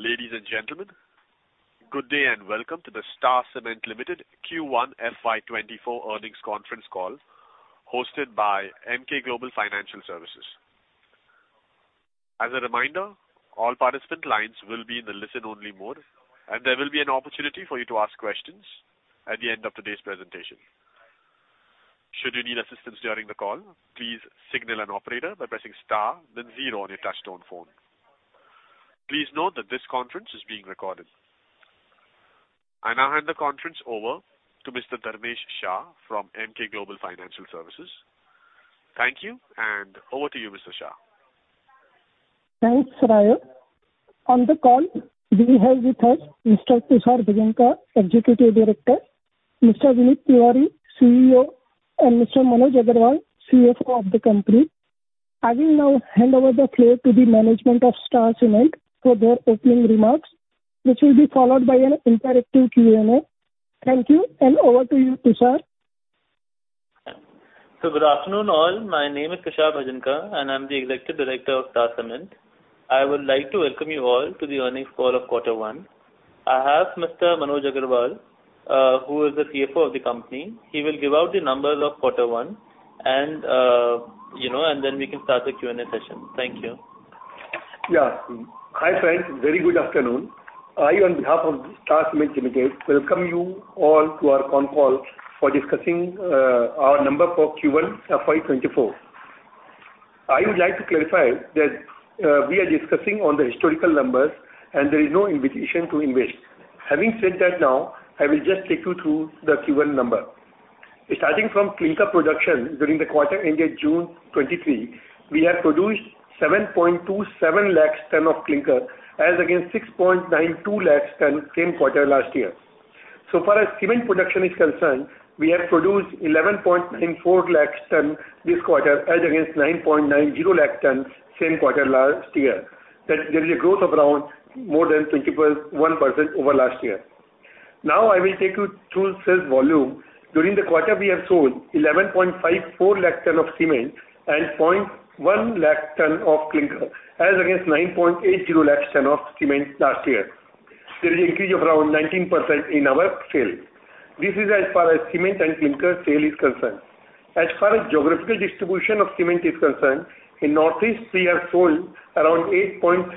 Ladies and gentlemen, good day and welcome to the Star Cement Limited Q1 FY24 earnings conference call hosted by Emkay Global Financial Services. As a reminder, all participant lines will be in the listen-only mode, and there will be an opportunity for you to ask questions at the end of today's presentation. Should you need assistance during the call, please signal an operator by pressing star, then 0 on your touch-tone phone. Please note that this conference is being recorded. I now hand the conference over to Mr. Dharmesh Shah from Emkay Global Financial Services. Thank you, and over to you, Mr. Shah. Thanks, Raju. On the call, we have with us Mr. Tushar Bhajanka, Executive Director, Mr. Vinit Tiwari, CEO, and Mr. Manoj Agarwal, CFO of the company. I will now hand over the floor to the management of Star Cement for their opening remarks, which will be followed by an interactive Q&A. Thank you, and over to you, Tushar. Good afternoon all. My name is Tushar Bhajanka, and I'm the Executive Director of Star Cement. I would like to welcome you all to the earnings call of quarter one. I have Mr. Manoj Agarwal, who is the CFO of the company. He will give out the numbers of quarter one, and then we can start the Q&A session. Thank you. Yeah. Hi, friends. Very good afternoon. I, on behalf of Star Cement Limited, welcome you all to our phone call for discussing our number for Q1 FY24. I would like to clarify that we are discussing on the historical numbers, and there is no invitation to invest. Having said that now, I will just take you through the Q1 number. Starting from clinker production during the quarter ended June 2023, we have produced 727,000 tons of clinker as against 692,000 tons same quarter last year. So far as cement production is concerned, we have produced 1,194,000 tons this quarter as against 990,000 tons same quarter last year. There is a growth of around more than 21% over last year. Now I will take you through sales volume. During the quarter, we have sold 11.54 lakhs tons of cement and 0.1 lakh tons of clinker as against 9.80 lakhs tons of cement last year. There is an increase of around 19% in our sales. This is as far as cement and clinker sale is concerned. As far as geographical distribution of cement is concerned, in Northeast, we have sold around 8.36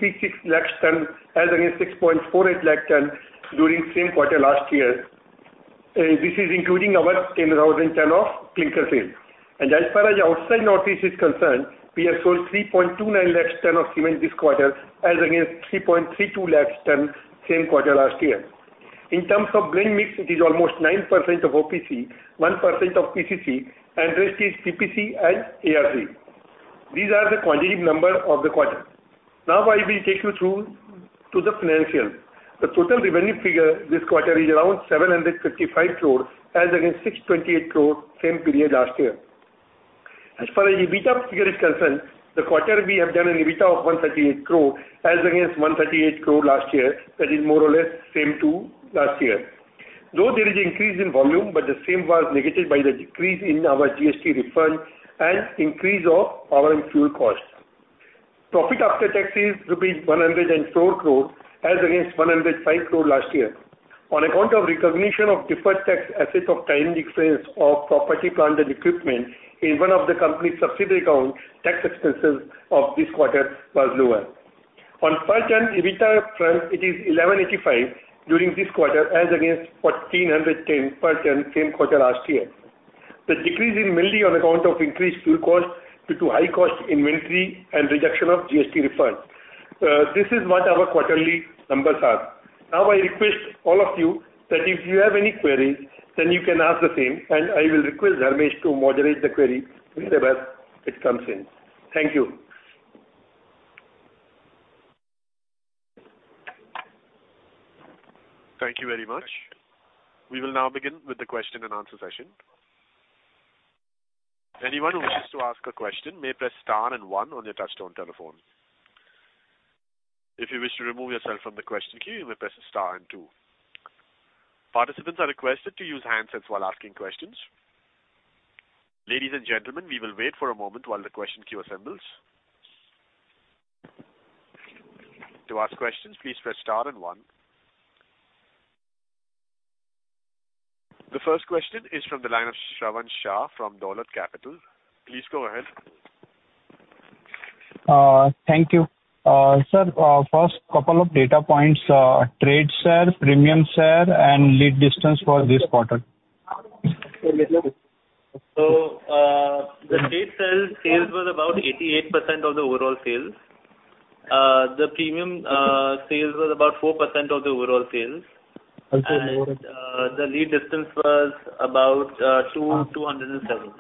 lakhs tons as against 6.48 lakhs tons during same quarter last year. This is including our 10,000 tons of clinker sales. As far as outside Northeast is concerned, we have sold 3.29 lakhs tons of cement this quarter as against 3.32 lakhs tons same quarter last year. In terms of blend mix, it is almost 9% of OPC, 1% of PSC, and the rest is PPC and ARC. These are the quantitative numbers of the quarter. Now I will take you through to the financials. The total revenue figure this quarter is around 755 crore as against 628 crore same period last year. As far as EBITDA figure is concerned, the quarter we have done an EBITDA of 138 crore as against 138 crore last year. That is more or less same to last year. Though there is an increase in volume, but the same was negated by the decrease in our GST refund and increase of power and fuel costs. Profit after tax is rupees 104 crore as against 105 crore last year. On account of recognition of deferred tax assets of timing difference of property, plant, and equipment in one of the company's subsidiary accounts, tax expenses of this quarter were lower. On per-ton EBITDA front, it is 1,185 during this quarter as against 1,410 per-ton same quarter last year. The decrease is mainly on account of increased fuel costs due to high-cost inventory and reduction of GST refunds. This is what our quarterly numbers are. Now I request all of you that if you have any queries, then you can ask the same, and I will request Dharmesh to moderate the query wherever it comes in. Thank you very much. We will now begin with the question-and-answer session. Anyone who wishes to ask a question may press star and 1 on your touchtone telephone. If you wish to remove yourself from the question queue, you may press star and 2. Participants are requested to use handsets while asking questions. Ladies and gentlemen, we will wait for a moment while the question queue assembles. To ask questions, please press star and 1. The first question is from the line ofShravan Shah from Dolat Capital. Please go ahead. Thank you. Sir, first couple of data points: trade sale, premium sale, and lead distance for this quarter? The trade sales, sales were about 88% of the overall sales. The premium sales were about 4% of the overall sales. The lead distance was about 207.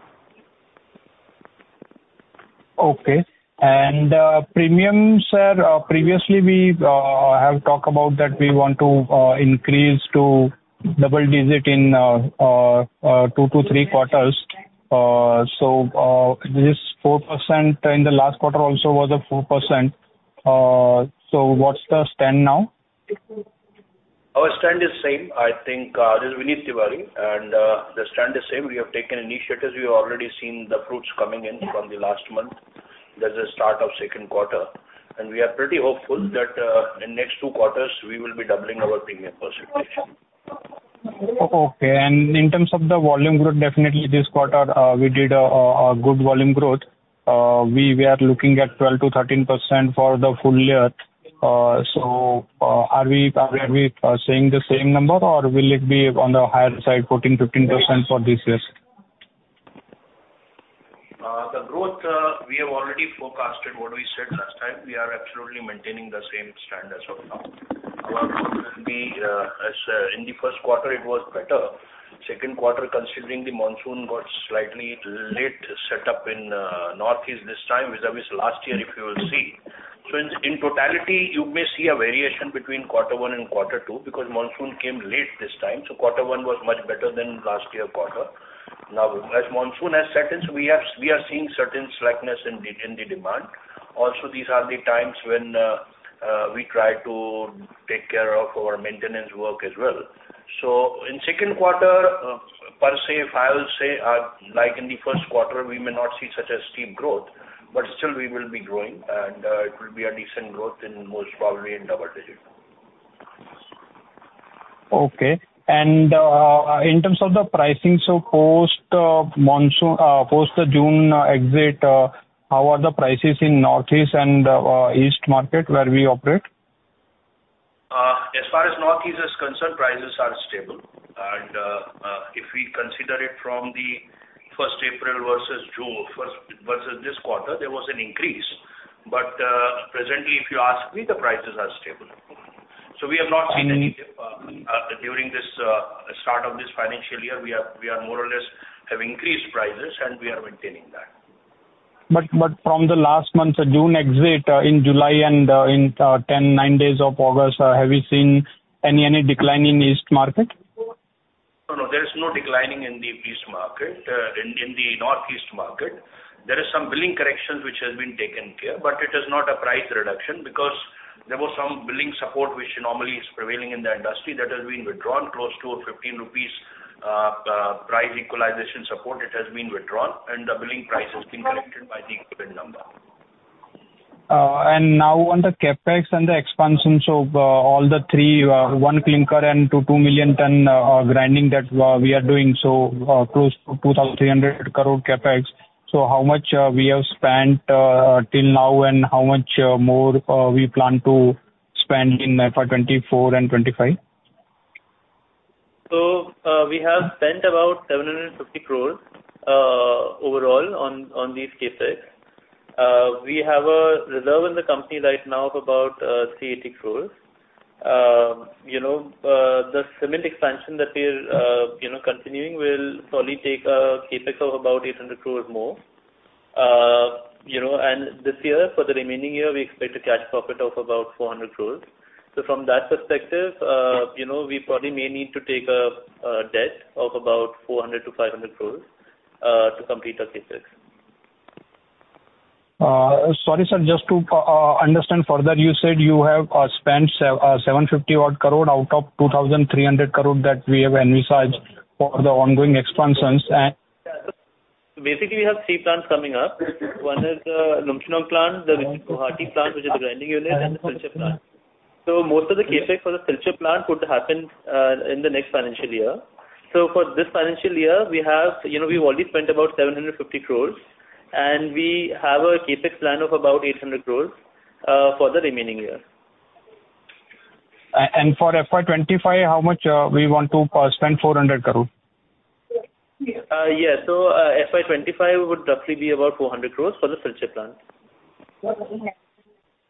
Okay. And premium, sir, previously we have talked about that we want to increase to double-digit in 2, 2, 3 quarters. So this 4% in the last quarter also was a 4%. So what's the stand now? Our stand is same. I think Vinit Tiwari and the stand is same. We have taken initiatives. We have already seen the fruits coming in from the last month. There's a start of second quarter. We are pretty hopeful that in the next two quarters, we will be doubling our premium percentage. Okay. And in terms of the volume growth, definitely this quarter, we did a good volume growth. We are looking at 12%-13% for the full year. So are we seeing the same number, or will it be on the higher side, 14%, 15% for this year? The growth, we have already forecasted what we said last time. We are absolutely maintaining the same standards of now. Our growth will be as in the first quarter, it was better. Second quarter, considering the monsoon got slightly late set up in Northeast this time, which is last year, if you will see. So in totality, you may see a variation between quarter one and quarter two because monsoon came late this time. So quarter one was much better than last year quarter. Now, as monsoon has settled, we are seeing certain slackness in the demand. Also, these are the times when we try to take care of our maintenance work as well. In second quarter, per se, if I would say, like in the first quarter, we may not see such a steep growth, but still we will be growing, and it will be a decent growth, most probably in double digit. Okay. And in terms of the pricing, so post the June exit, how are the prices in Northeast and East market where we operate? As far as Northeast is concerned, prices are stable. If we consider it from the 1st April versus June versus this quarter, there was an increase. Presently, if you ask me, the prices are stable. We have not seen any dip during this start of this financial year. We are more or less have increased prices, and we are maintaining that. From the last month, June exit, in July and in 9 days of August, have you seen any decline in East market? No, no. There is no declining in the East market. In the Northeast market, there is some billing corrections which has been taken care, but it is not a price reduction because there was some billing support which normally is prevailing in the industry that has been withdrawn, close to a 15 rupees price equalization support. It has been withdrawn, and the billing price has been corrected by the equivalent number. Now on the CapEx and the expansion, so all the three, one clinker and 2 million ton grinding that we are doing, so close to 2,300 crore CapEx. So how much we have spent till now, and how much more we plan to spend in FY2024 and 2025? We have spent about 750 crores overall on these CapEx. We have a reserve in the company right now of about 380 crores. The cement expansion that we are continuing will probably take a CapEx of about INR 800 crores more. This year, for the remaining year, we expect a cash profit of about 400 crores. From that perspective, we probably may need to take a debt of about 400 crores-500 crores to complete our CapEx. Sorry, sir. Just to understand further, you said you have spent 750-odd crore out of 2,300 crore that we have envisaged for the ongoing expansions. Basically, we have three plants coming up. One is the Lumshnong plant, the Guwahati plant, which is the grinding unit, and the Silchar plant. So most of the CapEx for the Silchar plant would happen in the next financial year. So for this financial year, we've already spent about 750 crores, and we have a CapEx plan of about 800 crores for the remaining year. For FY25, how much we want to spend INR 400 crore? Yeah. So FY25 would roughly be about 400 crore for the Silchar plant.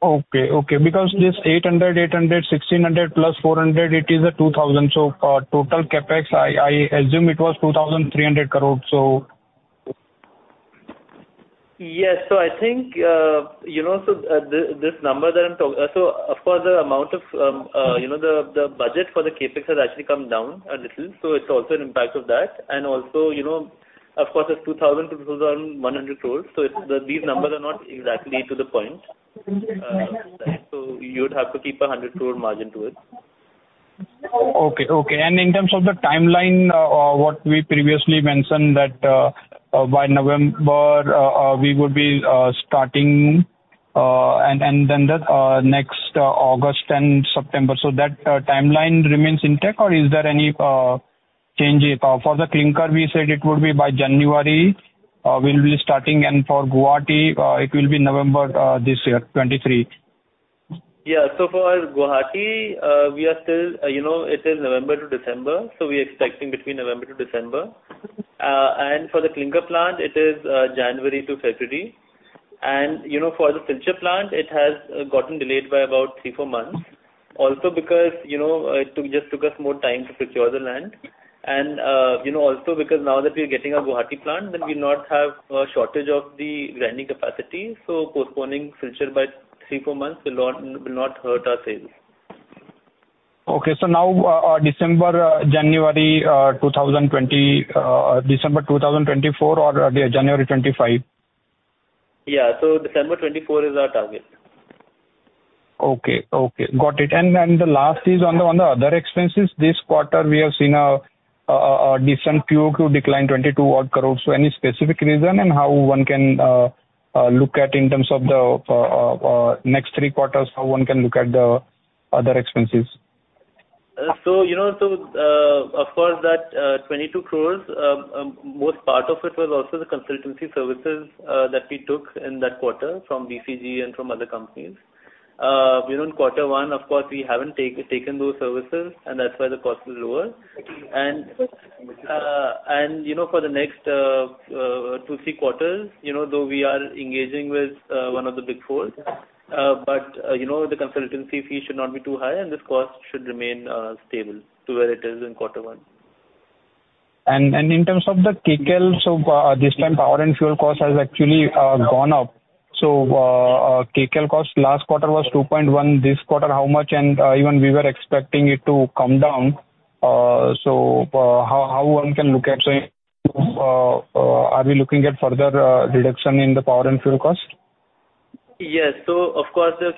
Okay. Okay. Because this 800, 800, 1,600 + 400, it is a 2,000. So total CapEx, I assume it was 2,300 crores, so. Yes. So I think this number that I'm talking, so of course, the amount of the budget for the CapEx has actually come down a little. So it's also an impact of that. Also, of course, it's 2,000 crore-2,100 crore. So these numbers are not exactly to the point. So you would have to keep an 100 crore margin to it. Okay. Okay. And in terms of the timeline, what we previously mentioned that by November, we would be starting, and then next August and September. So that timeline remains intact, or is there any change? For the clinker, we said it would be by January. We'll be starting. And for Guwahati, it will be November this year, 2023. Yeah. So for Guwahati, we are still it is November to December. So we are expecting between November to December. And for the clinker plant, it is January to February. And for the Silchar plant, it has gotten delayed by about 3-4 months also because it just took us more time to secure the land. And also because now that we are getting a Guwahati plant, then we do not have a shortage of the grinding capacity. So postponing Silchar by 3-4 months will not hurt our sales. Okay. So now December, January, December 2024, or January 2025? Yeah. So December 2024 is our target. Okay. Okay. Got it. And the last is on the other expenses. This quarter, we have seen a decent Q2 decline, INR 22-odd crore. So any specific reason and how one can look at in terms of the next three quarters, how one can look at the other expenses? Of course, that 22 crore, most part of it was also the consultancy services that we took in that quarter from BCG and from other companies. In quarter one, of course, we haven't taken those services, and that's why the cost is lower. For the next two, three quarters, though we are engaging with one of the Big Four, but the consultancy fee should not be too high, and this cost should remain stable to where it is in quarter one. In terms of the kcal, so this time, power and fuel cost has actually gone up. So kcal cost last quarter was 2.1. This quarter, how much? And even we were expecting it to come down. So how one can look at so are we looking at further reduction in the power and fuel cost? Yes. So of course, the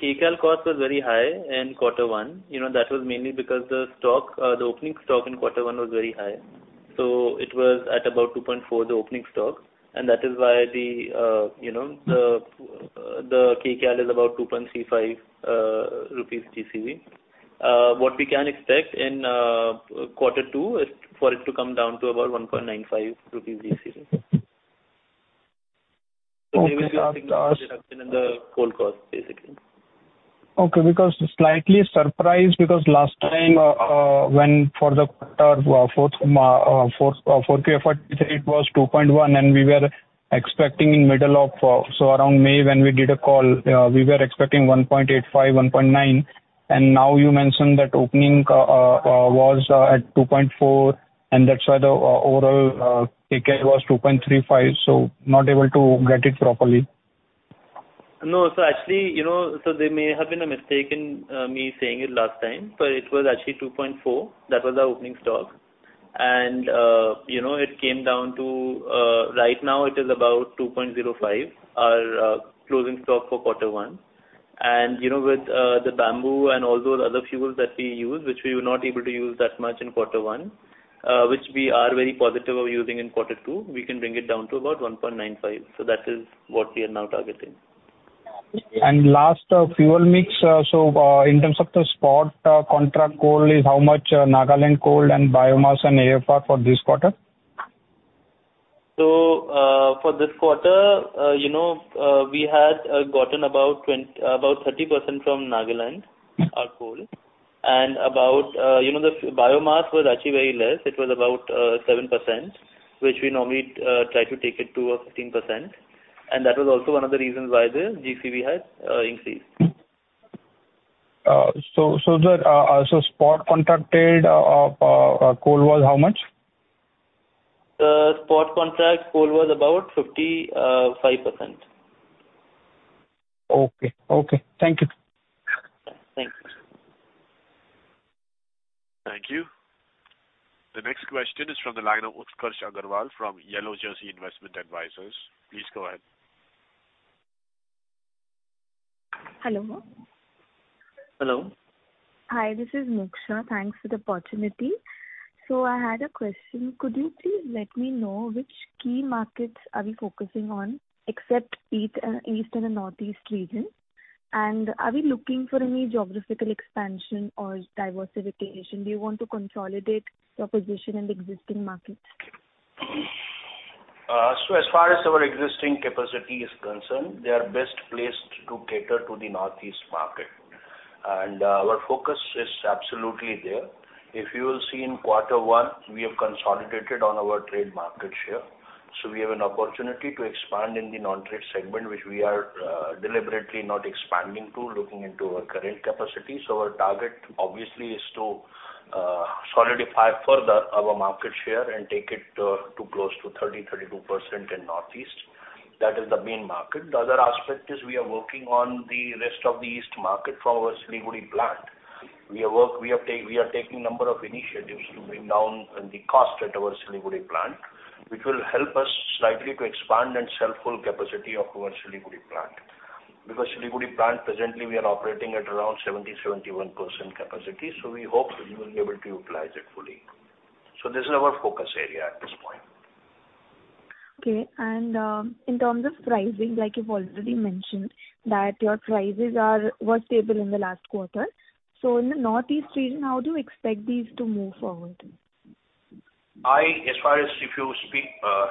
kcal cost was very high in quarter one. That was mainly because the opening stock in quarter one was very high. So it was at about 2.4, the opening stock. And that is why the kcal is about 2.35 rupees GCV. What we can expect in quarter two is for it to come down to about 1.95 rupees GCV. So there will be a significant reduction in the coal cost, basically. Okay. Because slightly surprised because last time when for the fourth quarter, 4Q FY23, it was 2.1, and we were expecting in middle of so around May when we did a call, we were expecting 1.85, 1.9. And now you mentioned that opening was at 2.4, and that's why the overall kcal was 2.35. So not able to get it properly. No. So actually, so there may have been a mistake in me saying it last time, but it was actually 2.4. That was our opening stock. And it came down to right now. It is about 2.05, our closing stock for quarter one. And with the bamboo and all those other fuels that we use, which we were not able to use that much in quarter one, which we are very positive of using in quarter two, we can bring it down to about 1.95. So that is what we are now targeting. Last, fuel mix. So in terms of the spot contract coal, is how much Nagaland coal and biomass and AFR for this quarter? So for this quarter, we had gotten about 30% from Nagaland, our coal. And the biomass was actually very less. It was about 7%, which we normally try to take it to 15%. And that was also one of the reasons why the GCV had increased. The spot contracted coal was how much? The spot contract coal was about 55%. Okay. Okay. Thank you. Thank you. Thank you. The next question is from the line of Utkarsh Agarwal from Yellow Jersey Investment Advisors. Please go ahead. Hello. Hello. Hi. This is Muksha. Thanks for the opportunity. So I had a question. Could you please let me know which key markets are we focusing on except east and the northeast region? And are we looking for any geographical expansion or diversification? Do you want to consolidate your position in existing markets? As far as our existing capacity is concerned, they are best placed to cater to the northeast market. Our focus is absolutely there. If you will see in quarter one, we have consolidated on our trade market share. So we have an opportunity to expand in the non-trade segment, which we are deliberately not expanding to, looking into our current capacity. Our target, obviously, is to solidify further our market share and take it to close to 30%-32% in northeast. That is the main market. The other aspect is we are working on the rest of the east market from our Siliguri plant. We are taking a number of initiatives to bring down the cost at our Siliguri plant, which will help us slightly to expand and fill full capacity of our Siliguri plant because Siliguri plant, presently, we are operating at around 70%-71% capacity. So we hope we will be able to utilize it fully. So this is our focus area at this point. Okay. And in terms of pricing, like you've already mentioned, that your prices were stable in the last quarter. So in the Northeast region, how do you expect these to move forward? As far as if you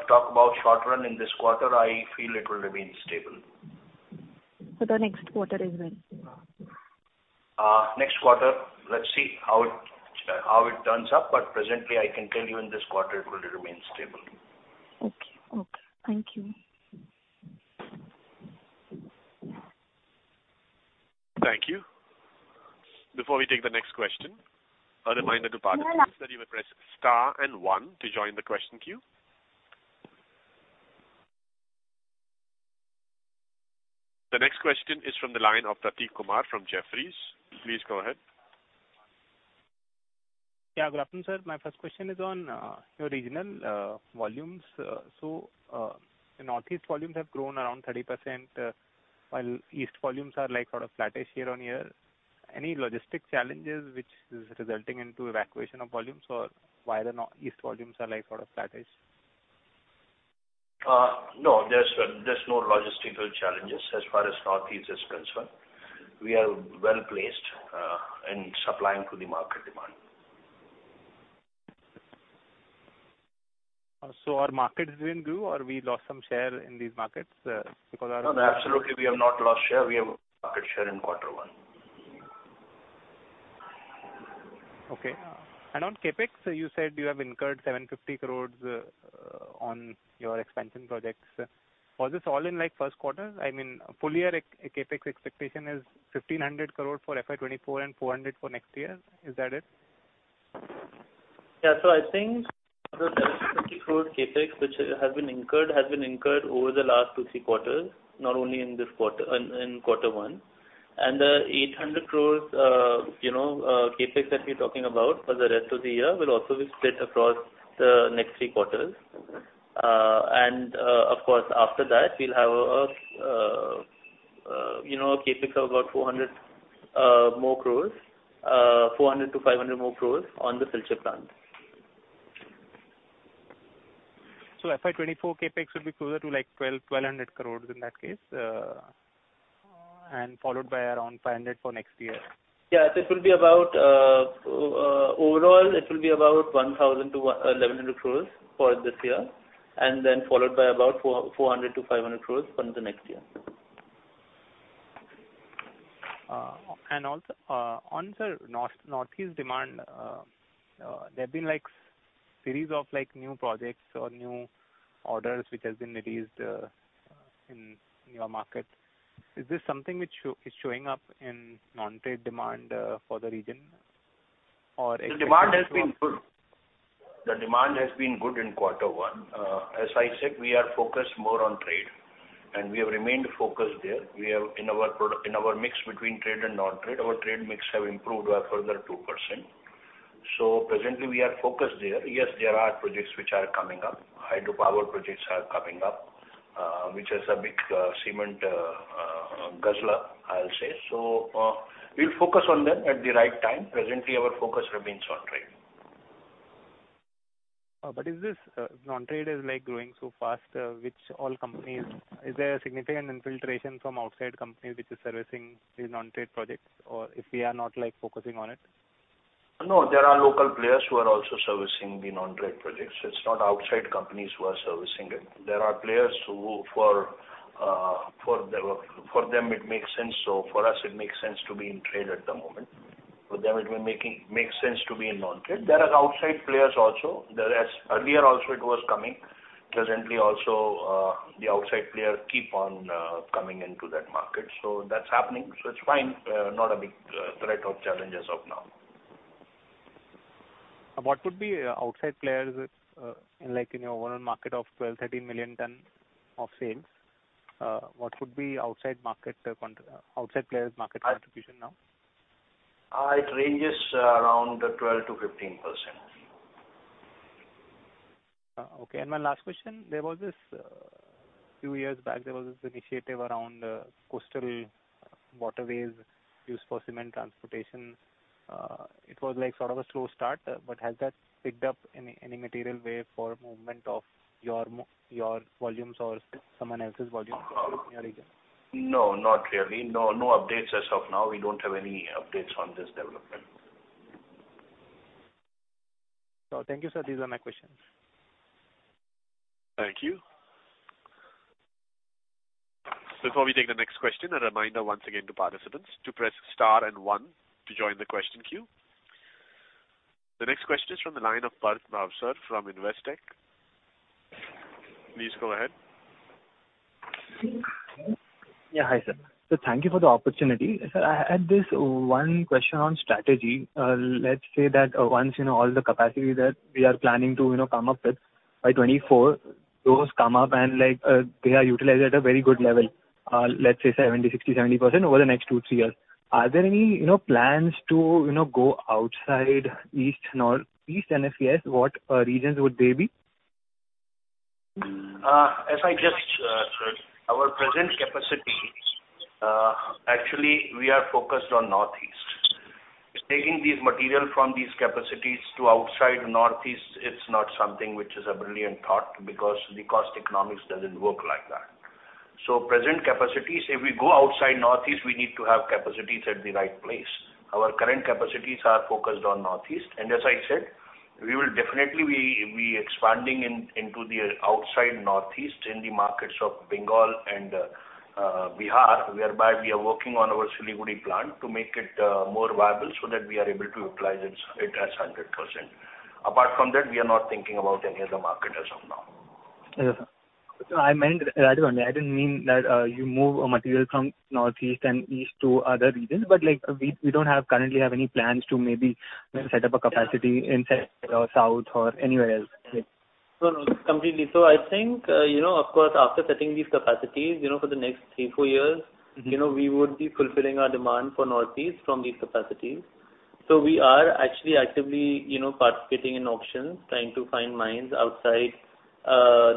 talk about short run in this quarter, I feel it will remain stable. For the next quarter as well? Next quarter, let's see how it turns up. But presently, I can tell you in this quarter, it will remain stable. Okay. Okay. Thank you. Thank you. Before we take the next question, a reminder to participants. That you will press star and one to join the question queue. The next question is from the line of Prateek Kumar from Jefferies. Please go ahead. Yeah. Good afternoon, sir. My first question is on your regional volumes. So northeast volumes have grown around 30%, while east volumes are sort of flattish year-on-year. Any logistic challenges which is resulting into evacuation of volumes, or why the east volumes are sort of flattish? No. There's no logistical challenges as far as Northeast is concerned. We are well-placed in supplying to the market demand. Our markets didn't grow, or we lost some share in these markets because our. No, no. Absolutely, we have not lost share. We have market share in quarter one. Okay. And on CapEx, you said you have incurred 750 crore on your expansion projects. Was this all in first quarter? I mean, full year, a CapEx expectation is 1,500 crore for FY2024 and 400 crore for next year. Is that it? Yeah. I think the 750 crore CapEx which has been incurred has been incurred over the last 2-3 quarters, not only in quarter one. The 800 crore CapEx that we're talking about for the rest of the year will also be split across the next 3 quarters. Of course, after that, we'll have a CapEx of about 400 crore, 400-500 crore on the Silchar plant. So FY 2024 CapEx would be closer to 1,200 crore in that case, and followed by around 500 crore for next year? Yeah. So it will be about overall, it will be about 1,000 crore-1,100 crore for this year, and then followed by about 400 crore-500 crore for the next year. Also on the Northeast demand, there have been a series of new projects or new orders which have been released in your market. Is this something which is showing up in non-trade demand for the region, or exclusively? The demand has been good. The demand has been good in quarter one. As I said, we are focused more on trade, and we have remained focused there. In our mix between trade and non-trade, our trade mix have improved by further 2%. So presently, we are focused there. Yes, there are projects which are coming up. Hydropower projects are coming up, which is a big cement guzzler, I'll say. So we'll focus on them at the right time. Presently, our focus remains on trade. But is this non-trade growing so fast, which all companies is there a significant infiltration from outside companies which are servicing these non-trade projects, or if we are not focusing on it? No. There are local players who are also servicing the non-trade projects. It's not outside companies who are servicing it. There are players who, for them, it makes sense. So for us, it makes sense to be in trade at the moment. For them, it will make sense to be in non-trade. There are outside players also. Earlier, also, it was coming. Presently, also, the outside players keep on coming into that market. So that's happening. So it's fine. Not a big threat or challenges now. What would be outside players in your overall market of 12-13 million tons of sales? What would be outside players' market contribution now? It ranges around 12%-15%. Okay. My last question, there was this a few years back, there was this initiative around coastal waterways used for cement transportation. It was sort of a slow start, but has that picked up in any material way for movement of your volumes or someone else's volumes in your region? No, not really. No. No updates as of now. We don't have any updates on this development. Thank you, sir. These are my questions. Thank you. Before we take the next question, a reminder once again to participants to press star and one to join the question queue. The next question is from the line of Parth Bhavsar from Investec. Please go ahead. Yeah. Hi, sir. So thank you for the opportunity. Sir, I had this one question on strategy. Let's say that once all the capacity that we are planning to come up with by 2024, those come up and they are utilized at a very good level, let's say 60%-70% over the next 2-3 years. Are there any plans to go outside East, Northeast? What regions would they be? If I just our present capacity, actually, we are focused on Northeast. Taking these material from these capacities to outside Northeast, it's not something which is a brilliant thought because the cost economics doesn't work like that. So present capacities, if we go outside Northeast, we need to have capacities at the right place. Our current capacities are focused on Northeast. And as I said, we will definitely be expanding into the outside Northeast in the markets of Bengal and Bihar, whereby we are working on our Siliguri plant to make it more viable so that we are able to utilize it as 100%. Apart from that, we are not thinking about any other market as of now. Yes, sir. I meant that only. I didn't mean that you move material from Northeast and East to other regions. But we don't currently have any plans to maybe set up a capacity in South or anywhere else. No, no. Completely. So I think, of course, after setting these capacities for the next 3-4 years, we would be fulfilling our demand for Northeast from these capacities. So we are actually actively participating in auctions, trying to find mines outside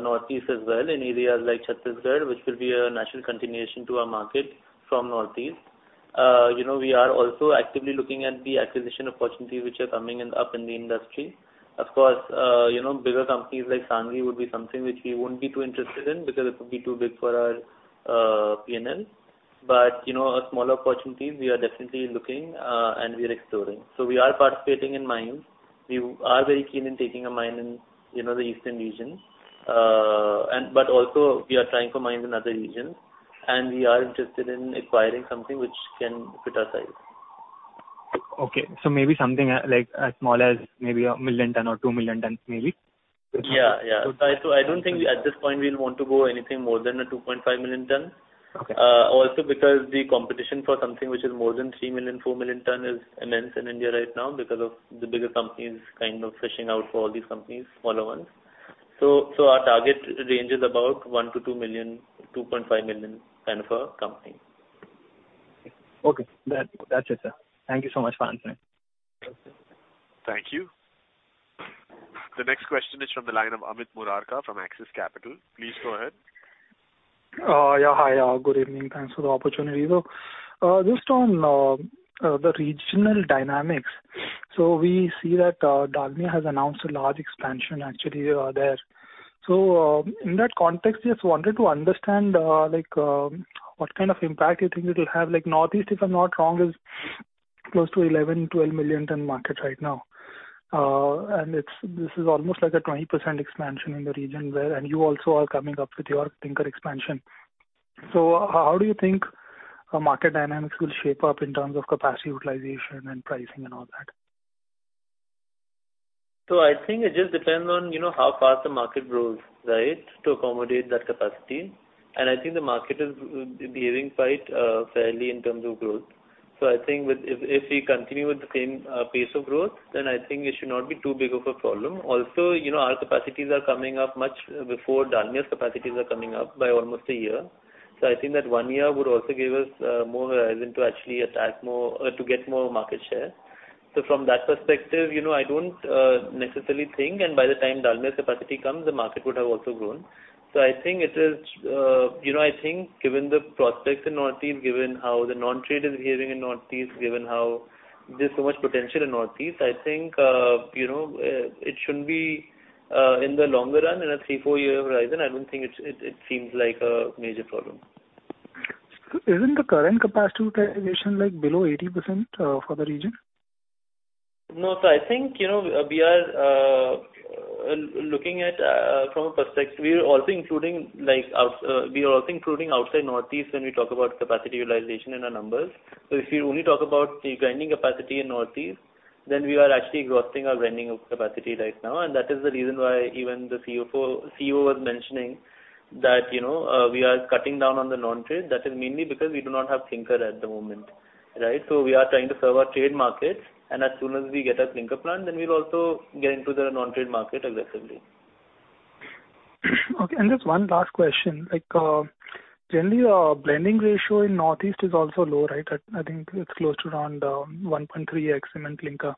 Northeast as well in areas like Chhattisgarh, which will be a natural continuation to our market from Northeast. We are also actively looking at the acquisition opportunities which are coming up in the industry. Of course, bigger companies like Sanghi would be something which we won't be too interested in because it would be too big for our P&L. But smaller opportunities, we are definitely looking, and we are exploring. So we are participating in mines. We are very keen in taking a mine in the eastern region. But also, we are trying for mines in other regions. We are interested in acquiring something which can fit our size. Okay. So maybe something as small as maybe 1 million ton or 2 million tons, maybe? Yeah. Yeah. So I don't think at this point, we'll want to go anything more than a 2.5 million ton, also because the competition for something which is more than 3 million, 4 million ton is immense in India right now because of the bigger companies kind of fishing out for all these companies, smaller ones. So our target range is about 1-2 million, 2.5 million kind of a company. Okay. That's it, sir. Thank you so much for answering. Thank you. The next question is from the line of Amit Murarka from Axis Capital. Please go ahead. Yeah. Hi. Good evening. Thanks for the opportunity, though. Just on the regional dynamics, so we see that Dalmia has announced a large expansion, actually, there. So in that context, I just wanted to understand what kind of impact you think it will have. Northeast, if I'm not wrong, is close to 11-12 million ton market right now. And this is almost like a 20% expansion in the region there. And you also are coming up with your clinker expansion. So how do you think market dynamics will shape up in terms of capacity utilization and pricing and all that? So I think it just depends on how fast the market grows, right, to accommodate that capacity. And I think the market is behaving fairly in terms of growth. So I think if we continue with the same pace of growth, then I think it should not be too big of a problem. Also, our capacities are coming up much before Dalmia's capacities are coming up by almost a year. So I think that one year would also give us more horizon to actually attack more or to get more market share. So from that perspective, I don't necessarily think. And by the time Dalmia's capacity comes, the market would have also grown. So, I think it is. I think, given the prospects in the Northeast, given how the non-trade is behaving in the Northeast, given how there's so much potential in the Northeast, I think it shouldn't be, in the longer run, in a 3-4-year horizon, I don't think it seems like a major problem. Isn't the current capacity utilization below 80% for the region? No. So I think we are looking at from a perspective we are also including we are also including outside Northeast when we talk about capacity utilization in our numbers. So if we only talk about the grinding capacity in Northeast, then we are actually exhausting our grinding capacity right now. And that is the reason why even the CEO was mentioning that we are cutting down on the non-trade. That is mainly because we do not have clinker at the moment, right? So we are trying to serve our trade markets. And as soon as we get a clinker plant, then we'll also get into the non-trade market aggressively. Okay. And just one last question. Generally, the blending ratio in Northeast is also low, right? I think it's close to around 1.3x in clinker.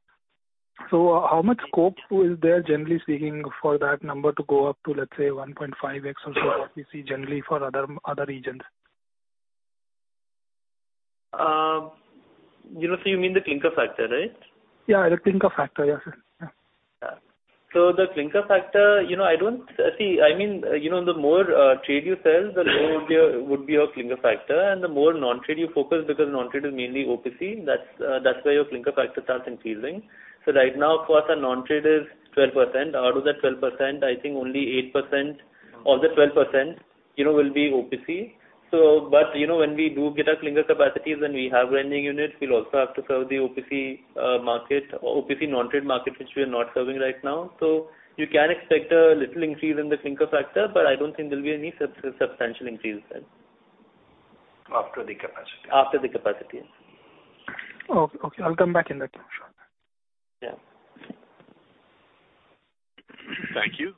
So how much scope is there, generally speaking, for that number to go up to, let's say, 1.5x or so what we see generally for other regions? So you mean the Clinker factor, right? Yeah. The Clinker factor. Yeah, sir. Yeah. Yeah. So the clinker factor, I don't see. I mean, the more trade you sell, the lower would be your clinker factor. And the more non-trade you focus because non-trade is mainly OPC, that's where your clinker factor starts increasing. So right now, of course, our non-trade is 12%. Out of that 12%, I think only 8% of the 12% will be OPC. But when we do get our clinker capacities and we have grinding units, we'll also have to serve the OPC market or OPC non-trade market, which we are not serving right now. So you can expect a little increase in the clinker factor, but I don't think there'll be any substantial increase then. After the capacity. After the capacity. Okay. Okay. I'll come back in a second. Sure. Yeah. Thank you.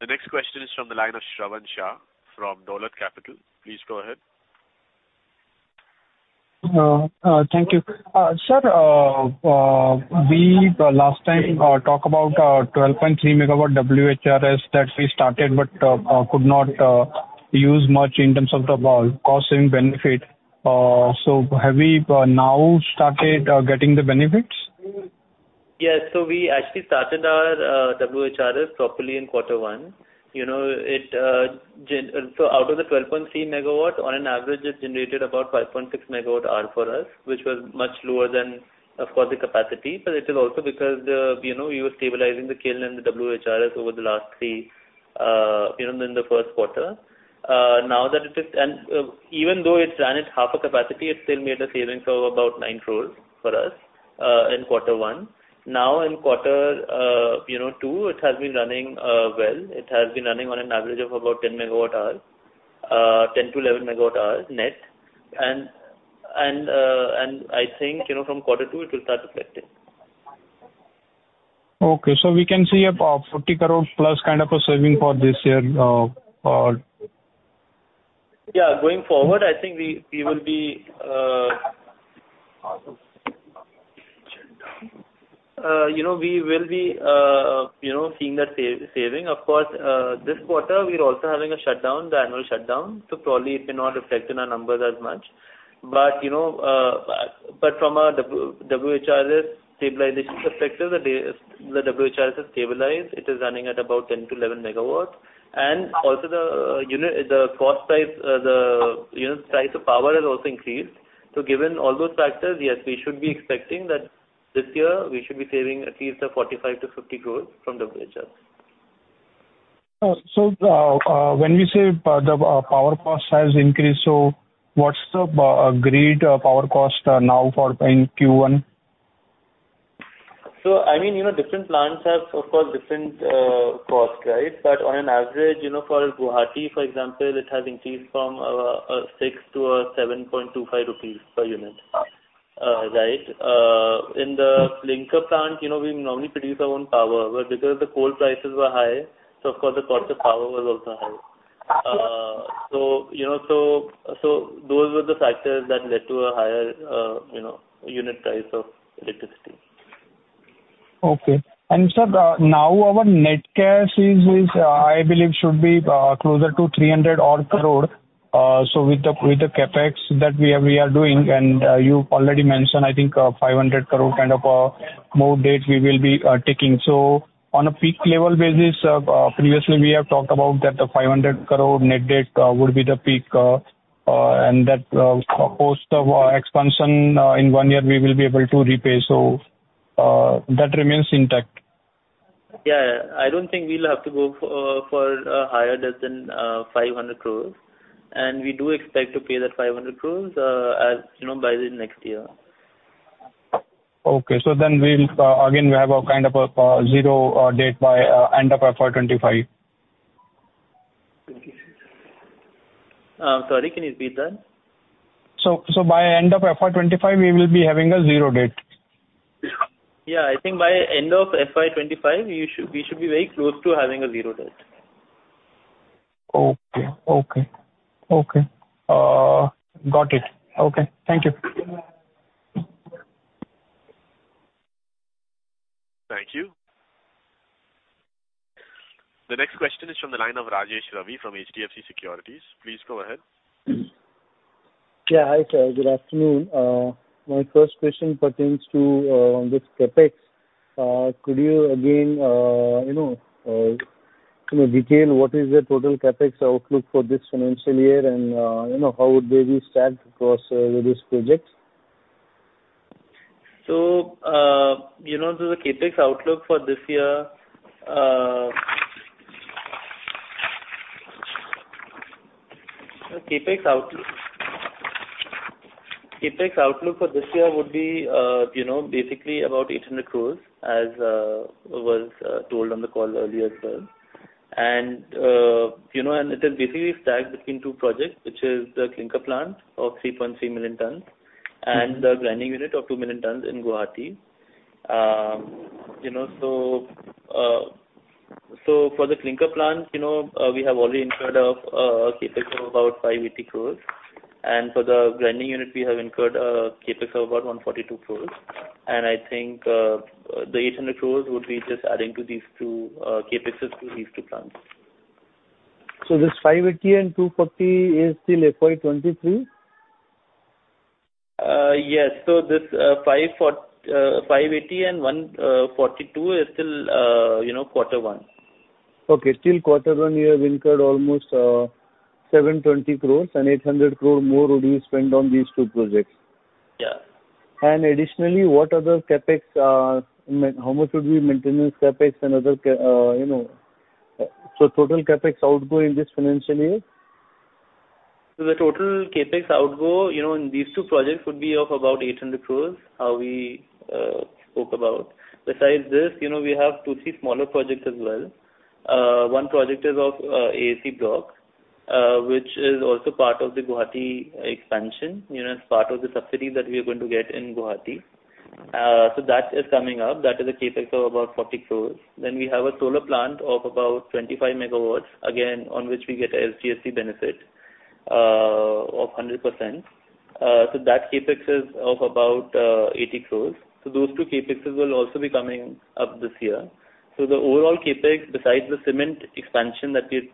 The next question is from the line of Shravan Shah from Dolat Capital. Please go ahead. Thank you. Sir, last time, talk about 12.3 MW WHRS that we started but could not use much in terms of the cost-saving benefit. So have we now started getting the benefits? Yes. So we actually started our WHRS properly in quarter one. So out of the 12.3 megawatts, on an average, it generated about 5.6 megawatt-hours for us, which was much lower than, of course, the capacity. But it is also because we were stabilizing the kiln and the WHRS over the last three in the first quarter. Now that it is and even though it ran at half a capacity, it still made a savings of about 9 crore for us in quarter one. Now in quarter two, it has been running well. It has been running on an average of about 10 megawatt-hours, 10-11 megawatt-hours net. And I think from quarter two, it will start reflecting. Okay. So we can see 40 crore-plus kind of a saving for this year. Yeah. Going forward, I think we will be seeing that saving. Of course, this quarter, we're also having a shutdown, the annual shutdown. So probably it may not reflect in our numbers as much. But from a WHRS stabilization perspective, the WHRS is stabilized. It is running at about 10-11 megawatts. And also, the cost, the price of power has also increased. So given all those factors, yes, we should be expecting that this year, we should be saving at least 45-50 crores from WHRS. When we say the power cost has increased, so what's the agreed power cost now in Q1? So I mean, different plants have, of course, different costs, right? But on average, for Guwahati, for example, it has increased from 6-7.25 rupees per unit, right? In the clinker plant, we normally produce our own power. But because the coal prices were high, so, of course, the cost of power was also high. So those were the factors that led to a higher unit price of electricity. Okay. And sir, now our net cash, I believe, should be closer to 300 crore. So with the CapEx that we are doing and you already mentioned, I think, 500 crore kind of a net debt we will be taking. So on a peak level basis, previously, we have talked about that the 500 crore net debt would be the peak. And that, of course, the expansion in one year, we will be able to repay. So that remains intact. Yeah. I don't think we'll have to go for higher than 500 crore. We do expect to pay that 500 crore by the next year. Okay. So then again, we have a kind of a zero date by end of FY25. Sorry. Can you repeat that? By end of FY25, we will be having a zero date. Yeah. I think by end of FY25, we should be very close to having a zero date. Okay. Okay. Okay. Got it. Okay. Thank you. Thank you. The next question is from the line of Rajesh Ravi from HDFC Securities. Please go ahead. Yeah. Hi, sir. Good afternoon. My first question pertains to this CapEx. Could you, again, detail what is the total CapEx outlook for this financial year, and how would they be stacked across this project? The CapEx outlook for this year the CapEx outlook for this year would be basically about 800 crores, as was told on the call earlier as well. It is basically stacked between two projects, which is the Clinker plant of 3.3 million tons and the grinding unit of 2 million tons in Guwahati. For the Clinker plant, we have already incurred a CapEx of about 580 crores. For the grinding unit, we have incurred a CapEx of about 142 crores. I think the 800 crores would be just adding to these two CapExes to these two plants. This 580 and 240 is still FY23? Yes. So this 580 and 142 is still quarter one. Okay. Till quarter one, you have incurred almost 720 crore. 800 crore more would be spent on these two projects. Yeah. And additionally, what other CapEx, how much would be maintenance CapEx and other, so total CapEx outgo in this financial year? So the total CapEx outgo in these two projects would be of about 800 crore, how we spoke about. Besides this, we have two smaller projects as well. One project is of AAC Block, which is also part of the Guwahati expansion, as part of the subsidy that we are going to get in Guwahati. So that is coming up. That is a CapEx of about 40 crore. Then we have a solar plant of about 25 MW, again, on which we get a SGST benefit of 100%. So that CapEx is of about 80 crore. So those two CapExes will also be coming up this year. So the overall CapEx, besides the cement expansion that we're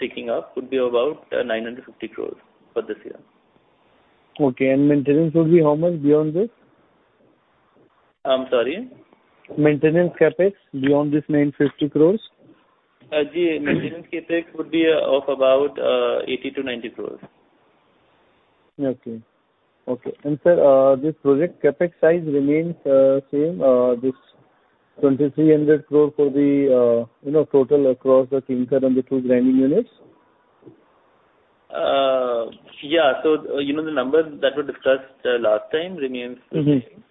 taking up, would be about 950 crore for this year. Okay. Maintenance would be how much beyond this? I'm sorry? Maintenance CapEx beyond this 950 crore? The maintenance CapEx would be of about 80 crore-90 crore. Okay. Okay. And sir, this project CapEx size remains same, this 2,300 crore for the total across the Clinker and the two grinding units? Yeah. So the number that we discussed last time remains the same.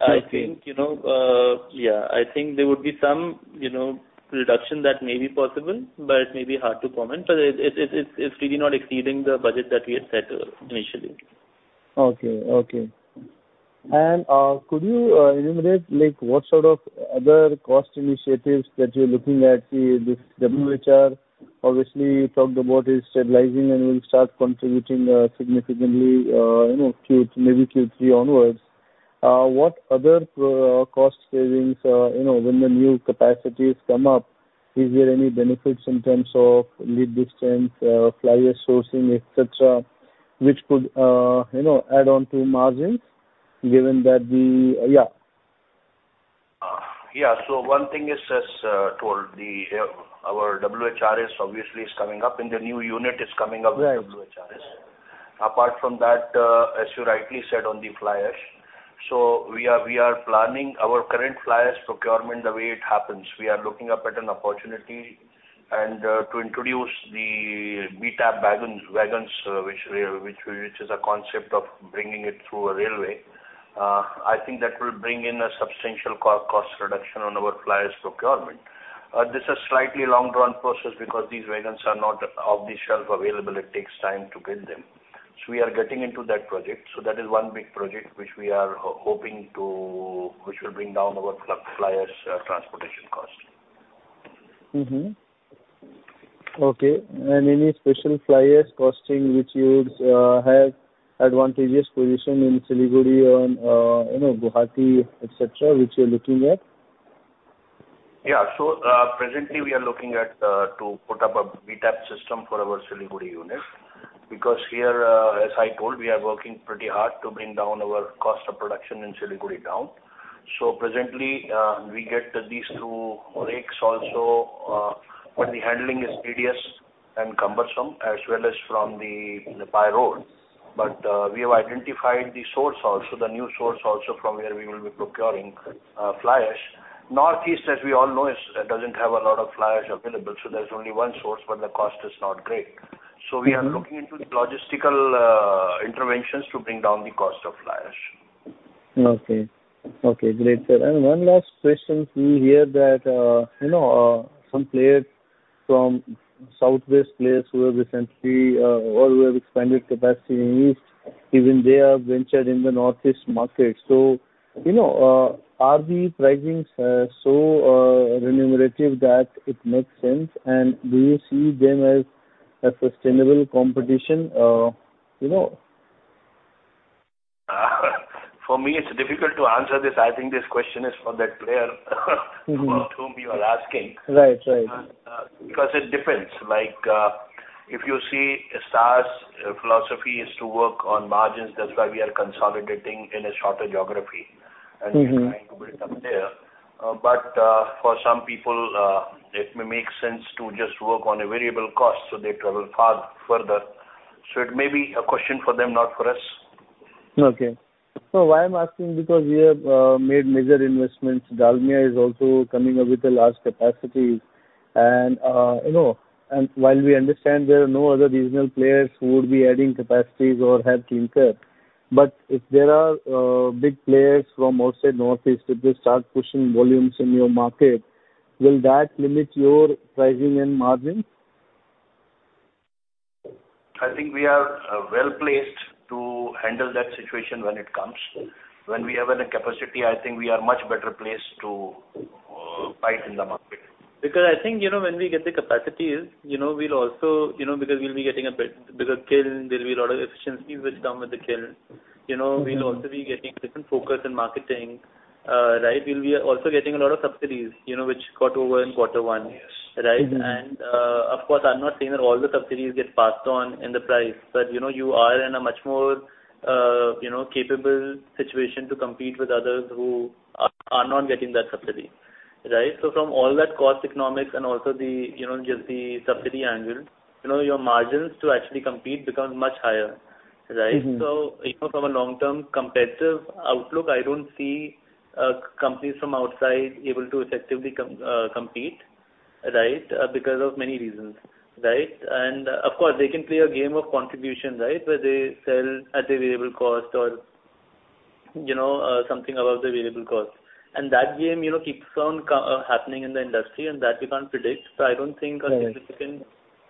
I think, yeah, I think there would be some reduction that may be possible, but it may be hard to comment. But it's really not exceeding the budget that we had set initially. Okay. Okay. Could you enumerate what sort of other cost initiatives that you're looking at? See, this WHR, obviously, you talked about is stabilizing and will start contributing significantly maybe Q3 onwards. What other cost savings when the new capacities come up, is there any benefits in terms of lead distance, fly ash sourcing, etc., which could add on to margins given that the yeah. Yeah. So one thing is, as told, our WHRS, obviously, is coming up. And the new unit is coming up with WHRS. Apart from that, as you rightly said on the fly ash, so we are planning our current fly ash procurement the way it happens. We are looking up at an opportunity to introduce the BTAP wagons, which is a concept of bringing it through a railway. I think that will bring in a substantial cost reduction on our fly ash procurement. This is a slightly long-drawn process because these wagons are not off-the-shelf available. It takes time to get them. So we are getting into that project. So that is one big project which we are hoping to which will bring down our fly ash transportation cost. Okay. Any special fly ash costing which you have advantageous position in Siliguri on Guwahati, etc., which you're looking at? Yeah. So presently, we are looking to put up a BTAP system for our Siliguri unit because here, as I told, we are working pretty hard to bring down our cost of production in Siliguri down. So presently, we get these through rakes also. But the handling is tedious and cumbersome, as well as by road. But we have identified the source also, the new source also, from where we will be procuring fly ash. Northeast, as we all know, doesn't have a lot of fly ash available. So there's only one source, but the cost is not great. So we are looking into logistical interventions to bring down the cost of fly ash. Okay. Okay. Great, sir. And one last question. We hear that some players from southwest places who have recently or who have expanded capacity in East, even they have ventured in the Northeast market. So are the pricings so remunerative that it makes sense? And do you see them as a sustainable competition? For me, it's difficult to answer this. I think this question is for that player whom you are asking. Because it depends. If you see Star's philosophy is to work on margins, that's why we are consolidating in a shorter geography and trying to build up there. But for some people, it may make sense to just work on a variable cost so they travel further. So it may be a question for them, not for us. Okay. So why I'm asking? Because we have made major investments. Dalmia is also coming up with a large capacity. And while we understand there are no other regional players who would be adding capacities or have Clinker, but if there are big players from outside Northeast that they start pushing volumes in your market, will that limit your pricing and margins? I think we are well-placed to handle that situation when it comes. When we have a capacity, I think we are much better placed to fight in the market. Because I think when we get the capacities, we'll also, because we'll be getting a bigger kiln. There'll be a lot of efficiencies which come with the kiln. We'll also be getting different focus in marketing, right? We'll be also getting a lot of subsidies, which got over in quarter one, right? And of course, I'm not saying that all the subsidies get passed on in the price. But you are in a much more capable situation to compete with others who are not getting that subsidy, right? So from all that cost economics and also just the subsidy angle, your margins to actually compete become much higher, right? So from a long-term competitive outlook, I don't see companies from outside able to effectively compete, right, because of many reasons, right? And of course, they can play a game of contribution, right, where they sell at the variable cost or something above the variable cost. And that game keeps on happening in the industry, and that we can't predict. So I don't think a significant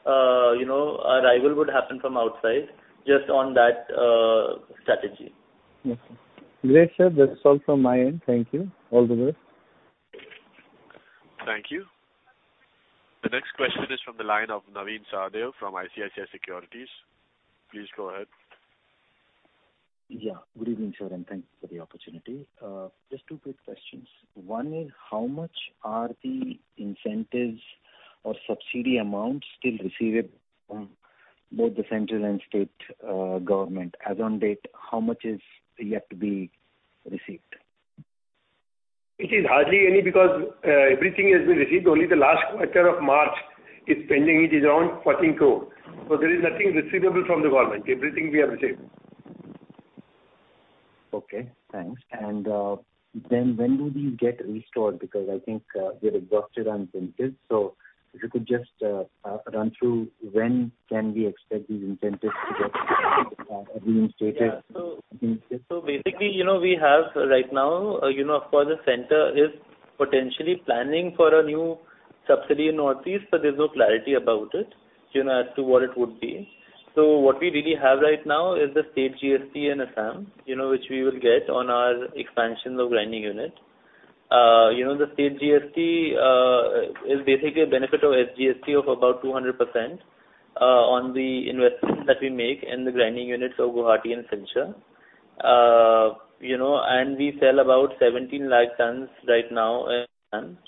arrival would happen from outside just on that strategy. Great, sir. That's all from my end. Thank you. All the best. Thank you. The next question is from the line of Navin Sahadeo from ICICI Securities. Please go ahead. Yeah. Good evening, sir, and thanks for the opportunity. Just two quick questions. One is, how much are the incentives or subsidy amounts still receivable from both the central and state government? As on date, how much is yet to be received? It is hardly any because everything has been received. Only the last quarter of March is pending. It is around INR 14 crore. So there is nothing receivable from the government. Everything we have received. Okay. Thanks. And then when do these get restored? Because I think we're exhausted on incentives. So if you could just run through, when can we expect these incentives to get reinstated? Yeah. So basically, we have right now of course, the center is potentially planning for a new subsidy in northeast, but there's no clarity about it as to what it would be. So what we really have right now is the state GST and Assam, which we will get on our expansion of grinding unit. The state GST is basically a benefit of SGST of about 200% on the investment that we make in the grinding units of Guwahati and Silchar. And we sell about 1,700,000 tons right now. And